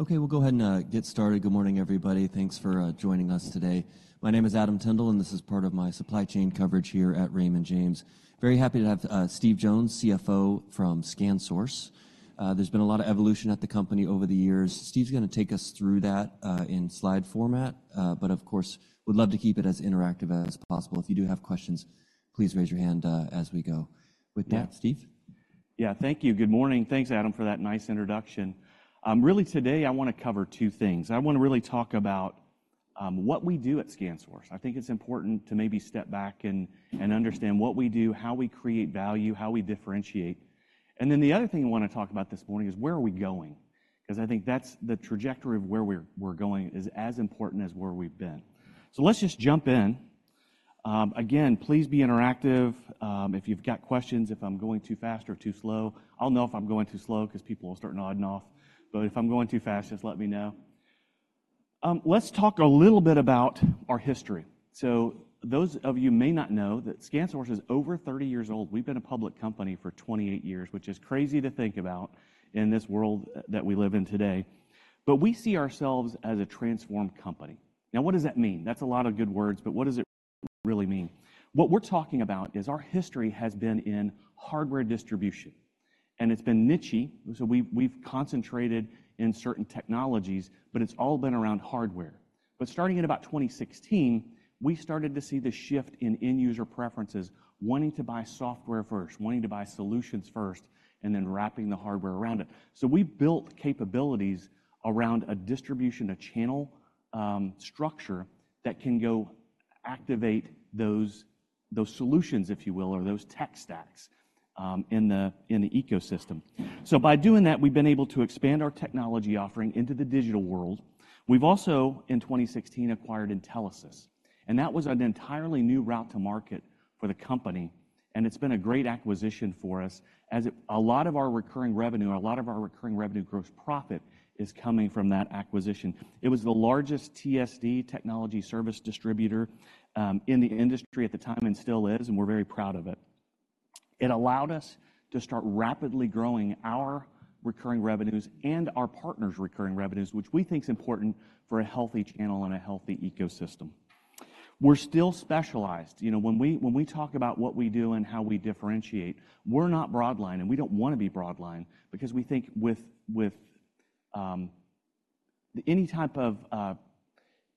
Okay, we'll go ahead and get started. Good morning, everybody. Thanks for joining us today. My name is Adam Tindle, and this is part of my supply chain coverage here at Raymond James. Very happy to have Steve Jones, CFO from ScanSource. There's been a lot of evolution at the company over the years. Steve's gonna take us through that in slide format, but of course, would love to keep it as interactive as possible. If you do have questions, please raise your hand as we go. Yeah. With that, Steve? Yeah, thank you. Good morning. Thanks, Adam, for that nice introduction. Really today, I want to cover two things. I want to really talk about what we do at ScanSource. I think it's important to maybe step back and understand what we do, how we create value, how we differentiate. And then the other thing I want to talk about this morning is where are we going? Because I think that's the trajectory of where we're going is as important as where we've been. So let's just jump in. Again, please be interactive. If you've got questions, if I'm going too fast or too slow, I'll know if I'm going too slow because people will start nodding off, but if I'm going too fast, just let me know. Let's talk a little bit about our history. So those of you may not know that ScanSource is over 30 years old. We've been a public company for 28 years, which is crazy to think about in this world that we live in today, but we see ourselves as a transformed company. Now, what does that mean? That's a lot of good words, but what does it really mean? What we're talking about is our history has been in hardware distribution, and it's been nichey, so we've, we've concentrated in certain technologies, but it's all been around hardware. But starting in about 2016, we started to see the shift in end user preferences, wanting to buy software first, wanting to buy solutions first, and then wrapping the hardware around it. So we built capabilities around a distribution, a channel, structure, that can go activate those, those solutions, if you will, or those tech stacks, in the, in the ecosystem. So by doing that, we've been able to expand our technology offering into the digital world. We've also, in 2016, acquired Intelisys, and that was an entirely new route to market for the company, and it's been a great acquisition for us, as a lot of our recurring revenue, or a lot of our recurring revenue gross profit, is coming from that acquisition. It was the largest TSD, technology service distributor, in the industry at the time, and still is, and we're very proud of it. It allowed us to start rapidly growing our recurring revenues and our partners' recurring revenues, which we think is important for a healthy channel and a healthy ecosystem. We're still specialized. You know, when we talk about what we do and how we differentiate, we're not broadline, and we don't want to be broadline because we think with any type of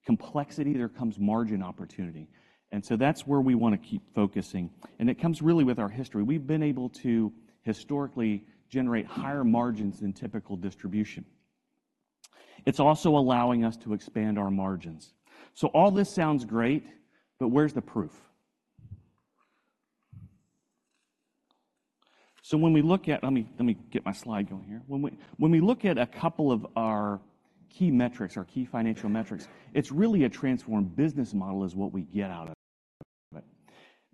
complexity, there comes margin opportunity, and so that's where we want to keep focusing, and it comes really with our history. We've been able to historically generate higher margins than typical distribution. It's also allowing us to expand our margins. So all this sounds great, but where's the proof? So when we look at—let me get my slide going here. When we look at a couple of our key metrics, our key financial metrics, it's really a transformed business model is what we get out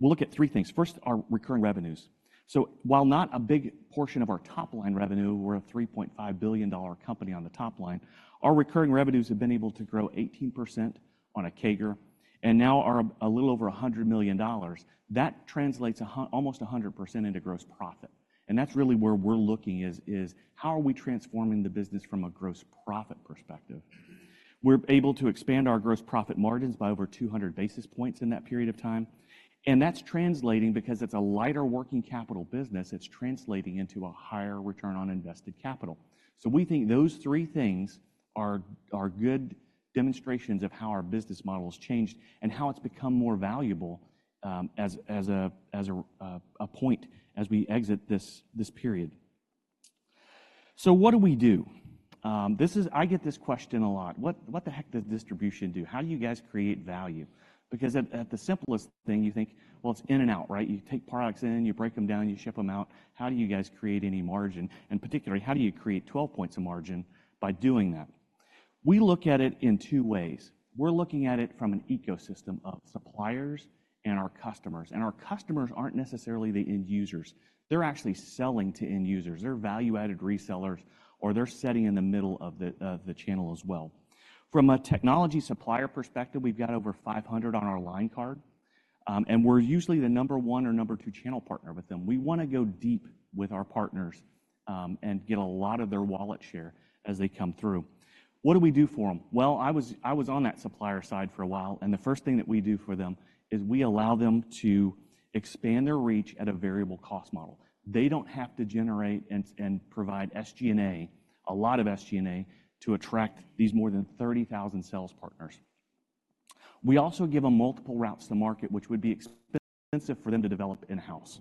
of it. We'll look at three things. First, our recurring revenues. So while not a big portion of our top-line revenue, we're a $3.5 billion company on the top line, our recurring revenues have been able to grow 18% on a CAGR and now are a little over $100 million. That translates almost 100% into gross profit, and that's really where we're looking, is how are we transforming the business from a gross profit perspective? We're able to expand our gross profit margins by over 200 basis points in that period of time, and that's translating because it's a lighter working capital business, it's translating into a higher return on invested capital. So we think those three things are good demonstrations of how our business model has changed and how it's become more valuable, as a point as we exit this period. So what do we do? This is. I get this question a lot. "What the heck does distribution do? How do you guys create value?" Because at the simplest thing, you think, well, it's in and out, right? You take products in, you break them down, you ship them out. How do you guys create any margin, and particularly, how do you create 12 points of margin by doing that? We look at it in two ways. We're looking at it from an ecosystem of suppliers and our customers, and our customers aren't necessarily the end users. They're actually selling to end users. They're value-added resellers, or they're sitting in the middle of the channel as well. From a technology supplier perspective, we've got over 500 on our line card, and we're usually the number one or number two channel partner with them. We want to go deep with our partners, and get a lot of their wallet share as they come through. What do we do for them? Well, I was on that supplier side for a while, and the first thing that we do for them is we allow them to expand their reach at a variable cost model. They don't have to generate and provide SG&A, a lot of SG&A, to attract these more than 30,000 sales partners. We also give them multiple routes to market, which would be expensive for them to develop in-house.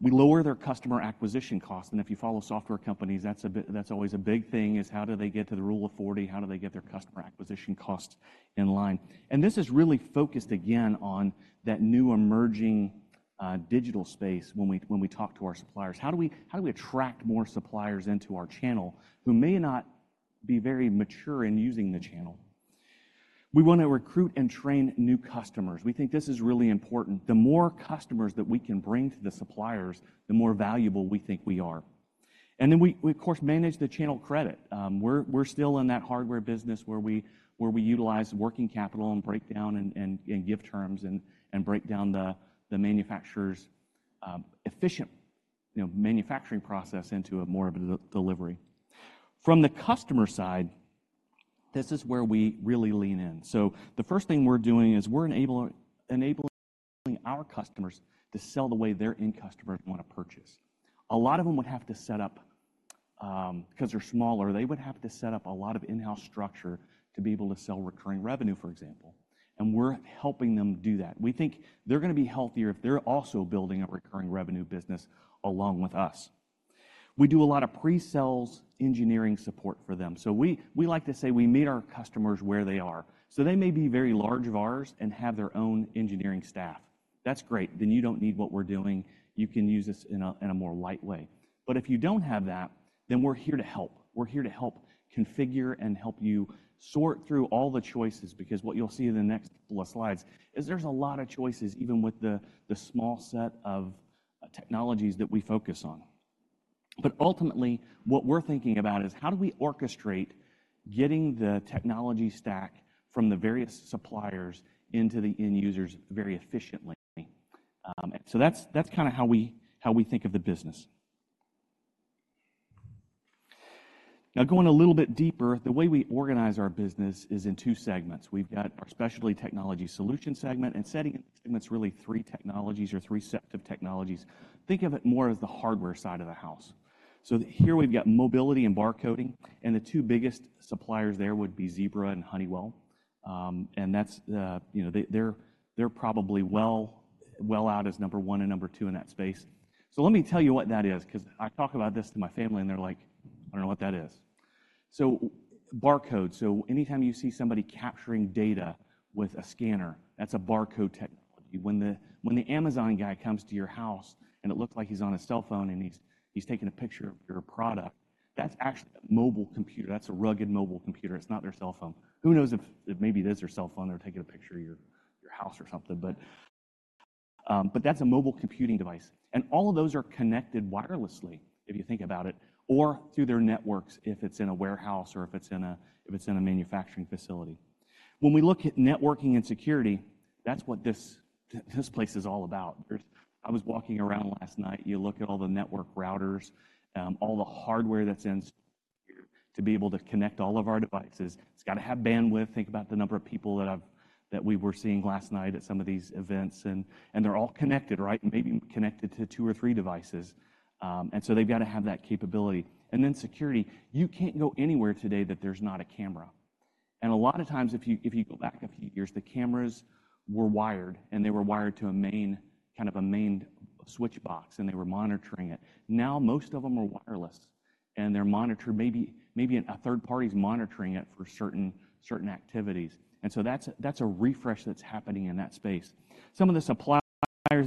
We lower their customer acquisition costs, and if you follow software companies, that's always a big thing: how do they get to the Rule of 40? How do they get their customer acquisition cost in line? And this is really focused, again, on that new emerging digital space when we talk to our suppliers. How do we attract more suppliers into our channel who may not be very mature in using the channel? We want to recruit and train new customers. We think this is really important. The more customers that we can bring to the suppliers, the more valuable we think we are. And then we, of course, manage the channel credit. We're still in that hardware business where we utilize working capital and break down and give terms and break down the manufacturer's efficient manufacturing process, you know, into more of a delivery. From the customer side, this is where we really lean in. So the first thing we're doing is we're enabling our customers to sell the way their end customers want to purchase. A lot of them would have to set up because they're smaller; they would have to set up a lot of in-house structure to be able to sell recurring revenue, for example, and we're helping them do that. We think they're going to be healthier if they're also building a recurring revenue business along with us. We do a lot of pre-sales engineering support for them. So we, we like to say we meet our customers where they are. So they may be very large of ours and have their own engineering staff. That's great, then you don't need what we're doing, you can use this in a, in a more light way. But if you don't have that, then we're here to help. We're here to help configure and help you sort through all the choices, because what you'll see in the next couple of slides is there's a lot of choices, even with the, the small set of technologies that we focus on. But ultimately, what we're thinking about is: how do we orchestrate getting the technology stack from the various suppliers into the end users very efficiently? So that's, that's kind of how we, how we think of the business. Now, going a little bit deeper, the way we organize our business is in two segments. We've got our specialty technology solution segment, and segment's really three technologies or three sets of technologies. Think of it more as the hardware side of the house. So here we've got mobility and barcoding, and the two biggest suppliers there would be Zebra and Honeywell. And that's the, you know, they're probably well out as number one and number two in that space. So let me tell you what that is, because I talk about this to my family, and they're like, "I don't know what that is." So barcode, so anytime you see somebody capturing data with a scanner, that's a barcode technology. When the Amazon guy comes to your house, and it looks like he's on his cell phone, and he's taking a picture of your product, that's actually a mobile computer. That's a rugged mobile computer, it's not their cell phone. Who knows if maybe it is their cell phone, they're taking a picture of your house or something. But that's a mobile computing device, and all of those are connected wirelessly, if you think about it, or through their networks, if it's in a warehouse or if it's in a manufacturing facility. When we look at networking and security, that's what this place is all about. There's. I was walking around last night, you look at all the network routers, all the hardware that's in here to be able to connect all of our devices. It's got to have bandwidth. Think about the number of people that we were seeing last night at some of these events, and they're all connected, right? Maybe connected to two or three devices. And so they've got to have that capability. And then security, you can't go anywhere today that there's not a camera. And a lot of times, if you go back a few years, the cameras were wired, and they were wired to a main, kind of a main switch box, and they were monitoring it. Now, most of them are wireless, and they're monitored, maybe a third party is monitoring it for certain activities. And so that's a refresh that's happening in that space. Some of the suppliers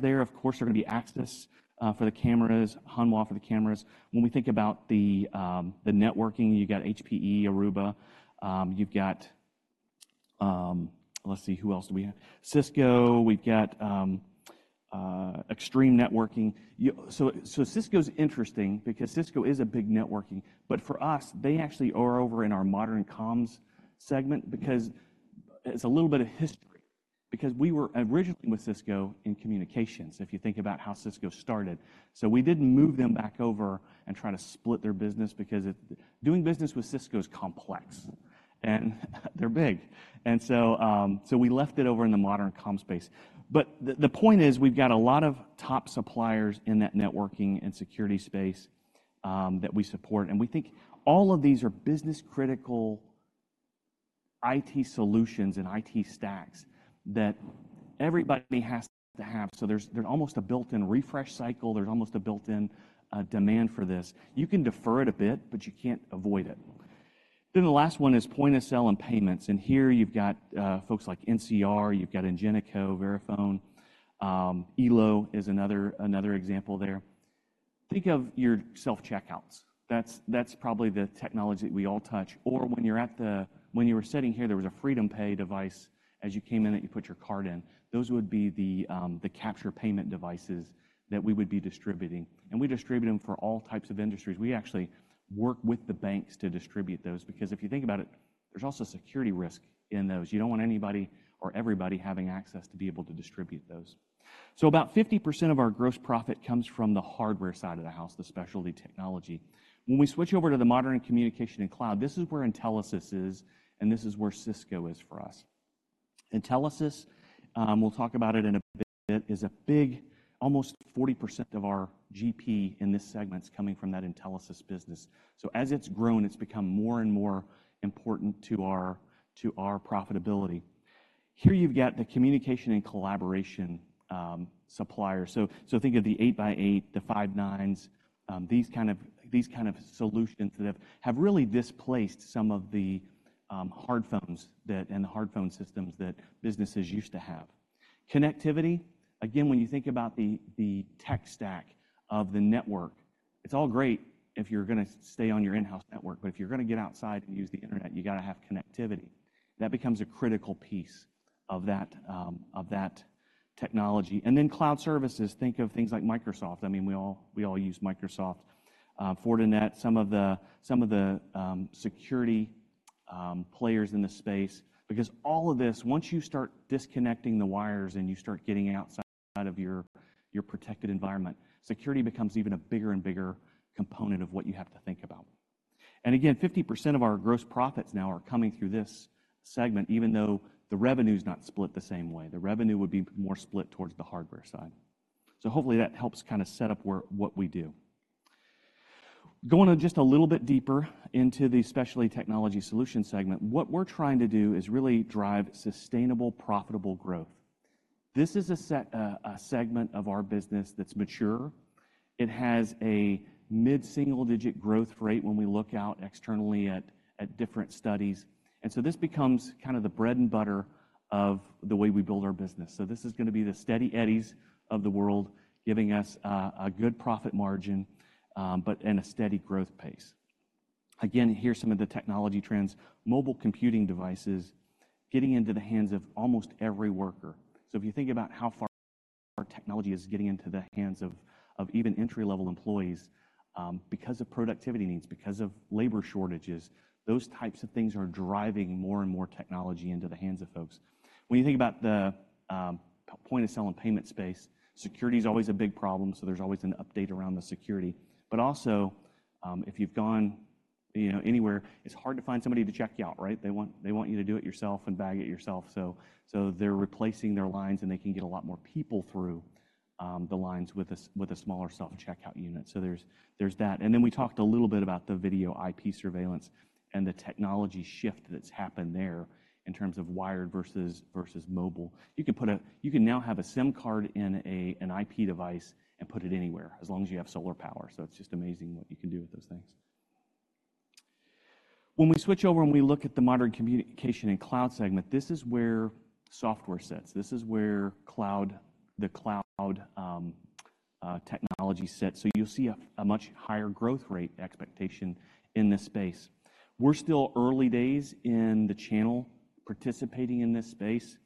there, of course, are going to be Axis for the cameras, Hanwha for the cameras. When we think about the networking, you've got HPE, Aruba, you've got... Let's see, who else do we have? Cisco, we've got Extreme Networks. So, so Cisco's interesting because Cisco is a big networking, but for us, they actually are over in our modern comms segment because it's a little bit of history. Because we were originally with Cisco in communications, if you think about how Cisco started. So we didn't move them back over and try to split their business, because it-- doing business with Cisco is complex, and they're big. And so, so we left it over in the modern comms space. But the point is, we've got a lot of top suppliers in that networking and security space that we support, and we think all of these are business-critical IT solutions and IT stacks that everybody has to have. So there's almost a built-in refresh cycle, there's almost a built-in demand for this. You can defer it a bit, but you can't avoid it. Then the last one is point of sale and payments, and here you've got folks like NCR, you've got Ingenico, Verifone, Elo is another example there. Think of your self-checkouts. That's probably the technology that we all touch, or when you're at the. When you were sitting here, there was a FreedomPay device as you came in, that you put your card in. Those would be the capture payment devices that we would be distributing, and we distribute them for all types of industries. We actually work with the banks to distribute those, because if you think about it, there's also a security risk in those. You don't want anybody or everybody having access to be able to distribute those. So about 50% of our gross profit comes from the hardware side of the house, the specialty technology. When we switch over to the modern communication and cloud, this is where Intelisys is, and this is where Cisco is for us. Intelisys, we'll talk about it in a bit, is a big... Almost 40% of our GP in this segment is coming from that Intelisys business. So as it's grown, it's become more and more important to our, to our profitability. Here you've got the communication and collaboration supplier. So think of the 8x8, the Five9, these kind of solutions that have really displaced some of the hard phones that and the hard phone systems that businesses used to have. Connectivity, again, when you think about the tech stack of the network, it's all great if you're gonna stay on your in-house network, but if you're going to get outside and use the internet, you got to have connectivity. That becomes a critical piece of that technology. And then cloud services, think of things like Microsoft. I mean, we all use Microsoft. Fortinet, some of the security players in the space. Because all of this, once you start disconnecting the wires and you start getting outside of your protected environment, security becomes even a bigger and bigger component of what you have to think about. And again, 50% of our gross profits now are coming through this segment, even though the revenue's not split the same way. The revenue would be more split towards the hardware side. So hopefully that helps kind of set up what we do. Going just a little bit deeper into the specialty technology solution segment, what we're trying to do is really drive sustainable, profitable growth. This is a segment of our business that's mature. It has a mid-single-digit growth rate when we look out externally at different studies, and so this becomes kind of the bread and butter of the way we build our business. So this is going to be the steady Eddies of the world, giving us a good profit margin, but and a steady growth pace. Again, here's some of the technology trends. Mobile computing devices getting into the hands of almost every worker. So if you think about how far technology is getting into the hands of even entry-level employees, because of productivity needs, because of labor shortages, those types of things are driving more and more technology into the hands of folks. When you think about the point-of-sale and payment space, security is always a big problem, so there's always an update around the security. But also, if you've gone, you know, anywhere, it's hard to find somebody to check you out, right? They want, they want you to do it yourself and bag it yourself. So they're replacing their lines, and they can get a lot more people through the lines with a smaller self-checkout unit. So there's that. And then we talked a little bit about the video IP surveillance and the technology shift that's happened there in terms of wired versus mobile. You can now have a SIM card in an IP device and put it anywhere, as long as you have solar power. So it's just amazing what you can do with those things. When we switch over and we look at the modern communication and cloud segment, this is where software sits. This is where cloud, the cloud, technology sits. So you'll see a much higher growth rate expectation in this space. We're still early days in the channel participating in this space,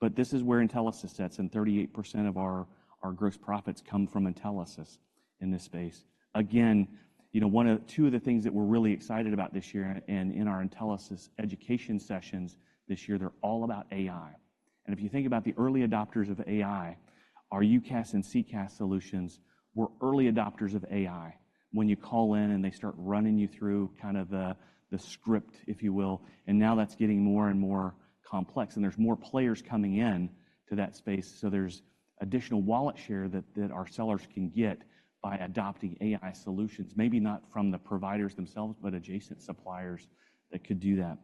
but this is where Intelisys sits, and 38% of our, our gross profits come from Intelisys in this space. Again, you know, one of... two of the things that we're really excited about this year and, and in our Intelisys education sessions this year, they're all about AI. And if you think about the early adopters of AI, our UCaaS and CCaaS solutions were early adopters of AI. When you call in and they start running you through kind of the, the script, if you will, and now that's getting more and more complex, and there's more players coming in to that space. So there's additional wallet share that, that our sellers can get by adopting AI solutions, maybe not from the providers themselves, but adjacent suppliers that could do that.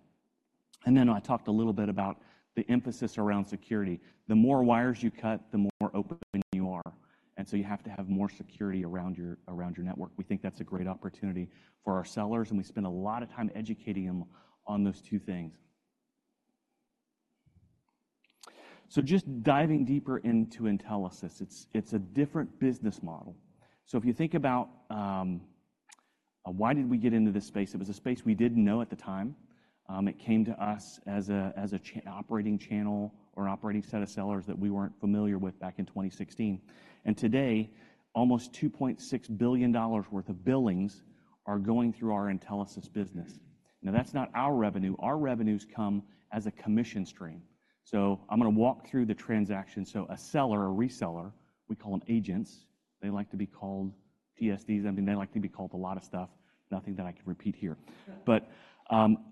And then I talked a little bit about the emphasis around security. The more wires you cut, the more open you are, and so you have to have more security around your, around your network. We think that's a great opportunity for our sellers, and we spend a lot of time educating them on those two things. So just diving deeper into Intelisys, it's a different business model. So if you think about why did we get into this space? It was a space we didn't know at the time. It came to us as a channel or operating set of sellers that we weren't familiar with back in 2016. And today, almost $2.6 billion worth of billings are going through our Intelisys business. Now, that's not our revenue. Our revenues come as a commission stream. So I'm going to walk through the transaction. So a seller or reseller, we call them agents, they like to be called TSDs. I mean, they like to be called a lot of stuff, nothing that I can repeat here. But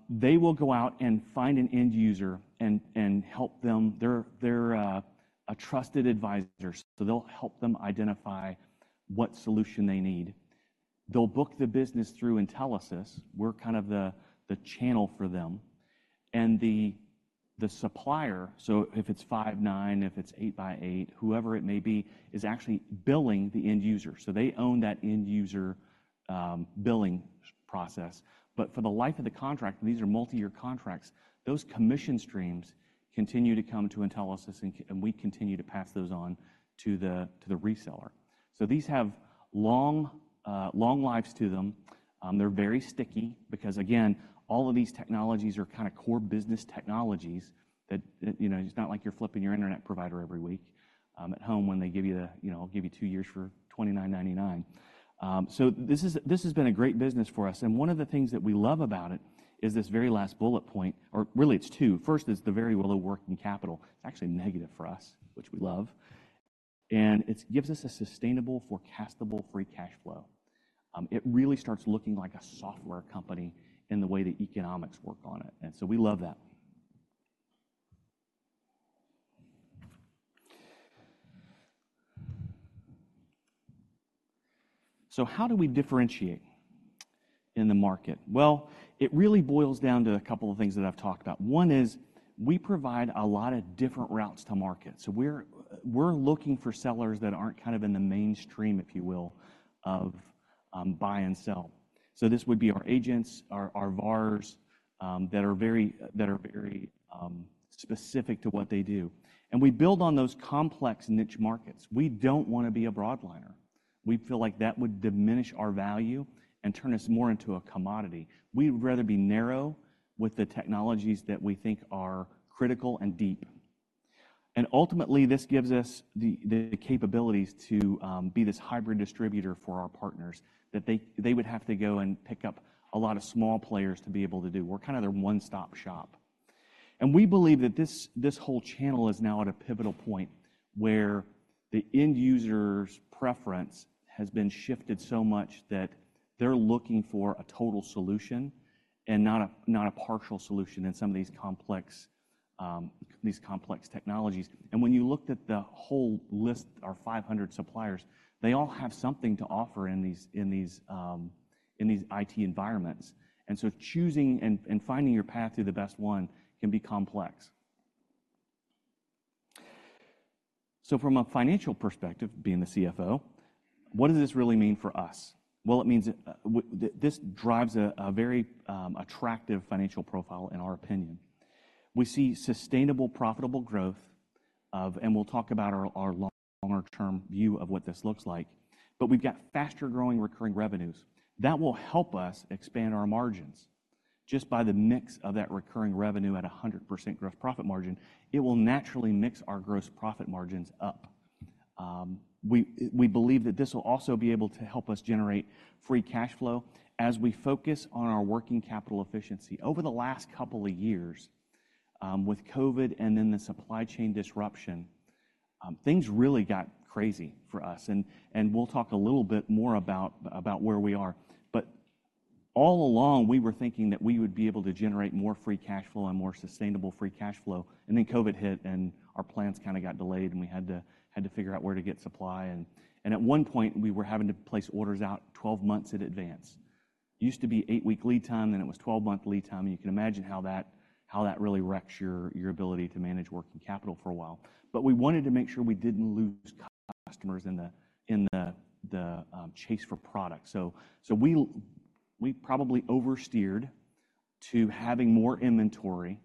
they will go out and find an end user and help them. They're a trusted advisor, so they'll help them identify what solution they need. They'll book the business through Intelisys. We're kind of the channel for them. And the supplier, so if it's Five9, if it's 8x8, whoever it may be, is actually billing the end user. So they own that end user billing process. But for the life of the contract, these are multi-year contracts, those commission streams continue to come to Intelisys, and we continue to pass those on to the reseller. So these have long, long lives to them. They're very sticky because, again, all of these technologies are kind of core business technologies that, that, you know, it's not like you're flipping your internet provider every week, at home when they give you the, you know, give you 2 years for $29.99. So this is, this has been a great business for us, and one of the things that we love about it is this very last bullet point, or really it's two. First, it's the very little working capital. It's actually negative for us, which we love, and it's gives us a sustainable, forecastable free cash flow. It really starts looking like a software company in the way the economics work on it, and so we love that. So how do we differentiate in the market? Well, it really boils down to a couple of things that I've talked about. One is, we provide a lot of different routes to market. So we're looking for sellers that aren't kind of in the mainstream, if you will, of buy and sell. So this would be our agents, our VARs that are very specific to what they do, and we build on those complex niche markets. We don't want to be a broadliner. We feel like that would diminish our value and turn us more into a commodity. We'd rather be narrow with the technologies that we think are critical and deep. Ultimately, this gives us the capabilities to be this hybrid distributor for our partners, that they would have to go and pick up a lot of small players to be able to do. We're kind of their one-stop shop. We believe that this whole channel is now at a pivotal point, where the end user's preference has been shifted so much that they're looking for a total solution and not a partial solution in some of these complex, these complex technologies. When you looked at the whole list, our 500 suppliers, they all have something to offer in these, in these, in these IT environments. So choosing and finding your path to the best one can be complex. From a financial perspective, being the CFO, what does this really mean for us? Well, it means this drives a very attractive financial profile in our opinion. We see sustainable, profitable growth of... We'll talk about our longer term view of what this looks like, but we've got faster-growing recurring revenues. That will help us expand our margins. Just by the mix of that recurring revenue at a 100% gross profit margin, it will naturally mix our gross profit margins up. We believe that this will also be able to help us generate free cash flow as we focus on our working capital efficiency. Over the last couple of years, with COVID and then the supply chain disruption, things really got crazy for us, and we'll talk a little bit more about where we are. All along, we were thinking that we would be able to generate more free cash flow and more sustainable free cash flow, and then COVID hit, and our plans kind of got delayed, and we had to figure out where to get supply. And at one point, we were having to place orders out 12 months in advance. Used to be eight-week lead time, then it was 12-month lead time, and you can imagine how that really wrecks your ability to manage working capital for a while. But we wanted to make sure we didn't lose customers in the chase for product. So we probably oversteered to having more inventory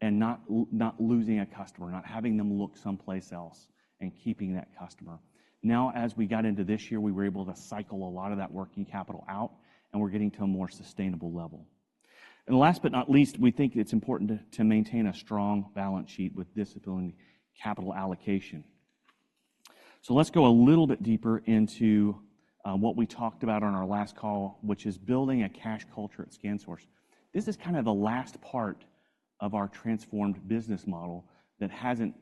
and not losing a customer, not having them look someplace else and keeping that customer. Now, as we got into this year, we were able to cycle a lot of that working capital out, and we're getting to a more sustainable level. Last but not least, we think it's important to maintain a strong balance sheet with discipline capital allocation. Let's go a little bit deeper into what we talked about on our last call, which is building a cash culture at ScanSource. This is kind of the last part of our transformed business model that hasn't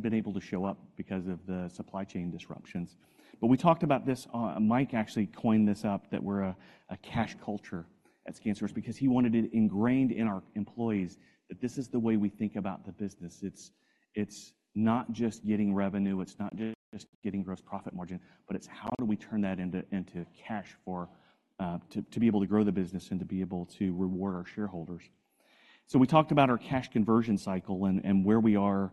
been able to show up because of the supply chain disruptions. We talked about this; Mike actually coined this up, that we're a cash culture at ScanSource because he wanted it ingrained in our employees that this is the way we think about the business. It's, it's not just getting revenue, it's not just getting gross profit margin, but it's how do we turn that into, into cash for to be able to grow the business and to be able to reward our shareholders? So we talked about our cash conversion cycle and, and where we are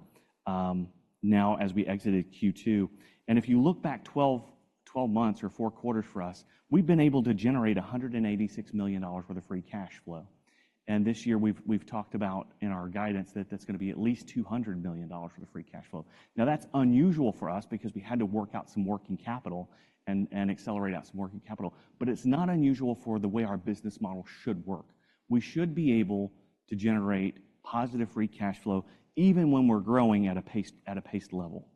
now as we exited Q2. And if you look back 12, 12 months or 4 quarters for us, we've been able to generate $186 million worth of free cash flow. And this year, we've talked about in our guidance that that's going to be at least $200 million worth of free cash flow. Now, that's unusual for us because we had to work out some working capital and, and accelerate out some working capital, but it's not unusual for the way our business model should work. We should be able to generate positive free cash flow even when we're growing at a paced level.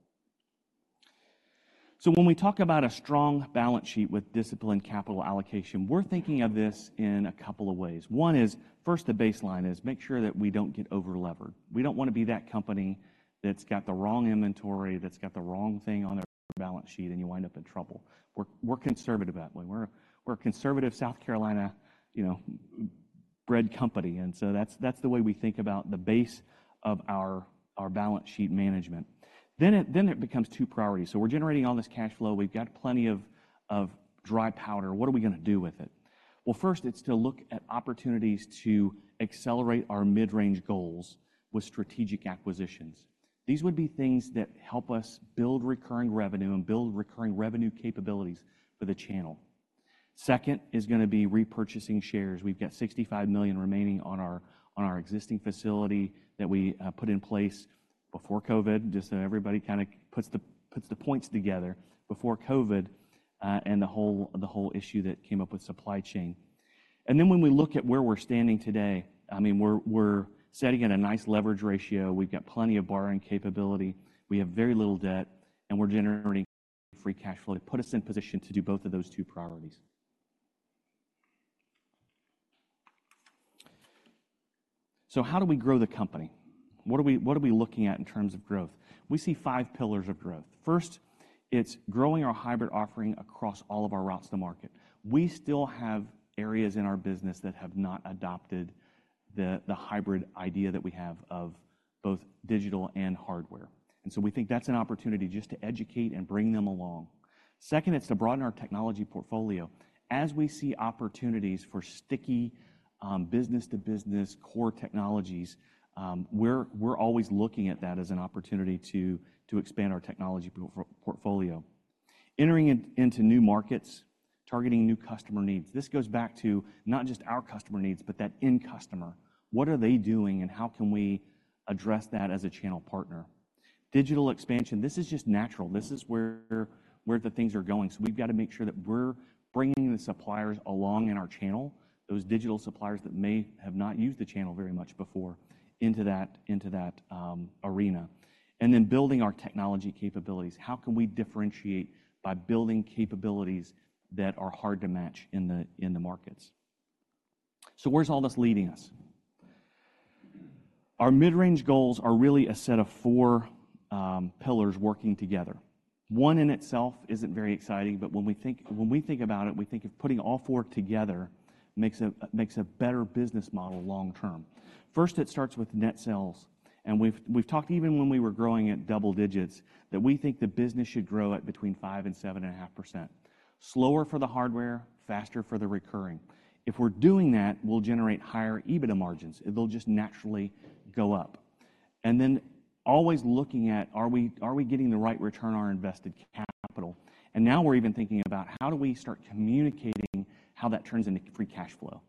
So when we talk about a strong balance sheet with disciplined capital allocation, we're thinking of this in a couple of ways. One is, first, the baseline is make sure that we don't get overlevered. We don't want to be that company that's got the wrong inventory, that's got the wrong thing on their balance sheet, and you wind up in trouble. We're conservative that way. We're a conservative South Carolina, you know, bred company, and so that's the way we think about the base of our balance sheet management. Then it becomes two priorities. So we're generating all this cash flow. We've got plenty of dry powder. What are we gonna do with it? Well, first, it's to look at opportunities to accelerate our mid-range goals with strategic acquisitions. These would be things that help us build recurring revenue and build recurring revenue capabilities for the channel. Second is gonna be repurchasing shares. We've got $65 million remaining on our existing facility that we put in place before COVID, just so everybody kind of puts the points together, before COVID, and the whole issue that came up with supply chain. And then when we look at where we're standing today, I mean, we're sitting at a nice leverage ratio. We've got plenty of borrowing capability, we have very little debt, and we're generating free cash flow to put us in position to do both of those two priorities. So how do we grow the company? What are we, what are we looking at in terms of growth? We see five pillars of growth. First, it's growing our hybrid offering across all of our routes to market. We still have areas in our business that have not adopted the hybrid idea that we have of both digital and hardware, and so we think that's an opportunity just to educate and bring them along. Second, it's to broaden our technology portfolio. As we see opportunities for sticky business-to-business core technologies, we're always looking at that as an opportunity to expand our technology portfolio. Entering into new markets, targeting new customer needs. This goes back to not just our customer needs, but that end customer. What are they doing, and how can we address that as a channel partner? Digital expansion, this is just natural. This is where the things are going, so we've got to make sure that we're bringing the suppliers along in our channel, those digital suppliers that may have not used the channel very much before, into that arena. Then building our technology capabilities. How can we differentiate by building capabilities that are hard to match in the markets? Where's all this leading us? Our mid-range goals are really a set of 4 pillars working together. One in itself isn't very exciting, but when we think about it, we think of putting all 4 together makes a better business model long term. First, it starts with net sales, and we've talked even when we were growing at double digits, that we think the business should grow at between 5% and 7.5%. Slower for the hardware, faster for the recurring. If we're doing that, we'll generate higher EBITDA margins, it'll just naturally go up. And then always looking at, are we, are we getting the right return on our invested capital? And now we're even thinking about, how do we start communicating how that turns into free cash flow?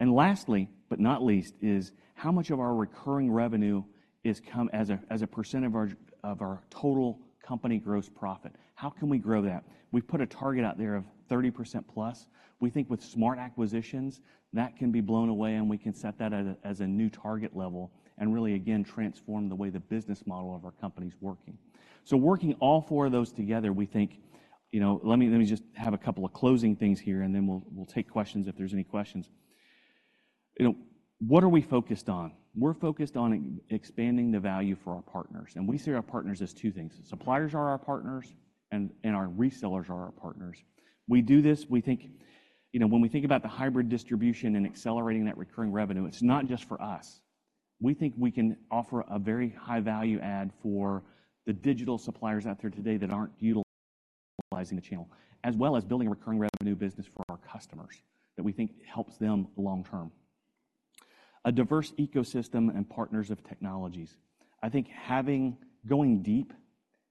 And lastly, but not least, is how much of our recurring revenue is come as a, as a percent of our, of our total company gross profit? How can we grow that? We've put a target out there of 30%+. We think with smart acquisitions, that can be blown away, and we can set that as a, as a new target level, and really again, transform the way the business model of our company's working. So working all four of those together, we think... You know, let me, let me just have a couple of closing things here, and then we'll, we'll take questions if there's any questions. You know, what are we focused on? We're focused on expanding the value for our partners, and we see our partners as two things. Suppliers are our partners, and, and our resellers are our partners. We do this, we think. You know, when we think about the hybrid distribution and accelerating that recurring revenue, it's not just for us. We think we can offer a very high value add for the digital suppliers out there today that aren't utilizing the channel, as well as building a recurring revenue business for our customers, that we think helps them long term. A diverse ecosystem and partners of technologies. I think having going deep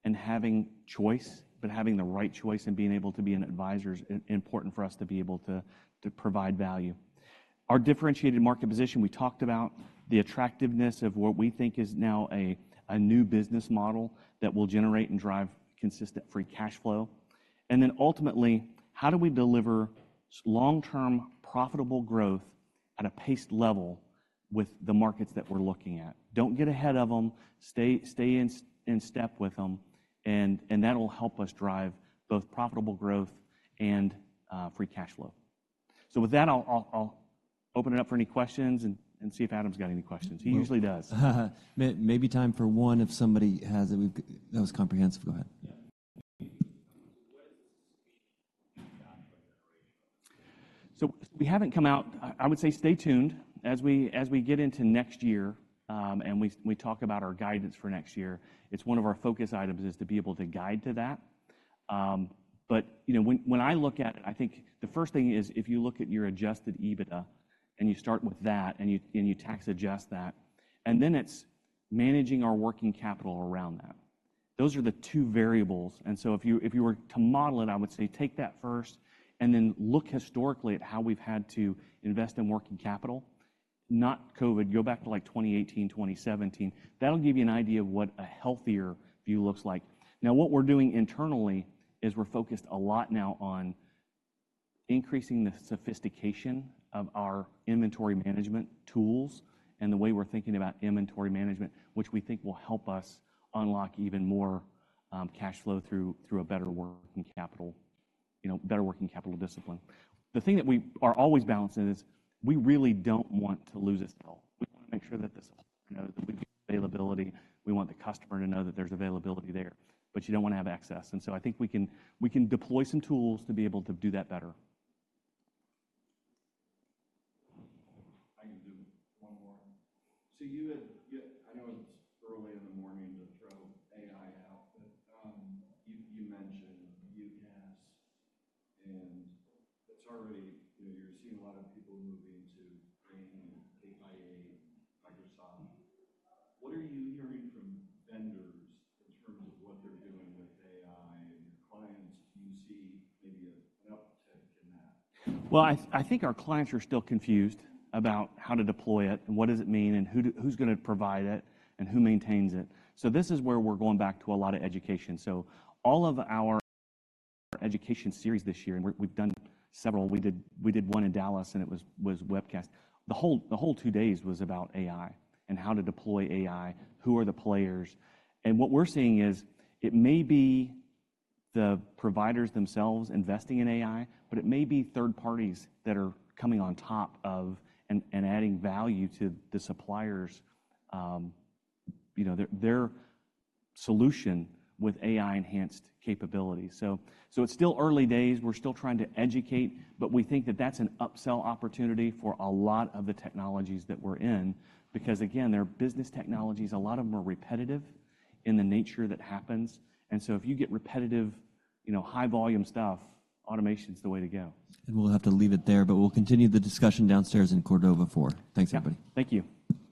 and having choice, but having the right choice and being able to be an advisor is important for us to be able to provide value. Our differentiated market position, we talked about the attractiveness of what we think is now a new business model that will generate and drive consistent free cash flow. And then ultimately, how do we deliver long-term, profitable growth at a paced level with the markets that we're looking at? Don't get ahead of them, stay in step with them, and that will help us drive both profitable growth and free cash flow. So with that, I'll open it up for any questions and see if Adam's got any questions. He usually does. Maybe time for one, if somebody has... That was comprehensive. Go ahead. Yeah. What is the sweet spot for generation? So we haven't come out. I would say stay tuned. As we get into next year, and we talk about our guidance for next year, it's one of our focus items, is to be able to guide to that. But you know, when I look at it, I think the first thing is, if you look at your adjusted EBITDA, and you start with that, and you tax adjust that, and then it's managing our working capital around that. Those are the two variables, and so if you were to model it, I would say take that first, and then look historically at how we've had to invest in working capital. Not COVID, go back to like, 2018, 2017. That'll give you an idea of what a healthier view looks like. Now, what we're doing internally is we're focused a lot now on increasing the sophistication of our inventory management tools and the way we're thinking about inventory management, which we think will help us unlock even more cash flow through a better working capital. You know, better working capital discipline. The thing that we are always balancing is we really don't want to lose a sale. We want to make sure that the seller knows that we've availability, we want the customer to know that there's availability there, but you don't want to have excess, and so I think we can deploy some tools to be able to do that better. I can do one more. I know it's early in the morning to throw AI out, but you mentioned your guess, and it's already, you know, you're seeing a lot of people moving to bringing in AI and Microsoft. What are you hearing from vendors in terms of what they're doing with AI and your clients? Do you see maybe an uptick in that? Well, I think our clients are still confused about how to deploy it, and what does it mean, and who's going to provide it, and who maintains it. So this is where we're going back to a lot of education. So all of our education series this year, and we've done several. We did one in Dallas, and it was webcast. The whole two days was about AI and how to deploy AI, who are the players? And what we're seeing is, it may be the providers themselves investing in AI, but it may be third parties that are coming on top of and adding value to the suppliers', you know, their solution with AI-enhanced capabilities. So it's still early days. We're still trying to educate, but we think that that's an upsell opportunity for a lot of the technologies that we're in. Because, again, they're business technologies, a lot of them are repetitive in the nature that happens, and so if you get repetitive, you know, high volume stuff, automation's the way to go. We'll have to leave it there, but we'll continue the discussion downstairs in Cordova 4. Thanks, everybody. Yeah. Thank you.